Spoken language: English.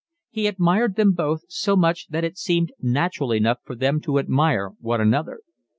He admired them both so much that it seemed natural enough for them to admire one another.